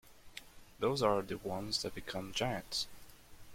Those are the ones that become giants.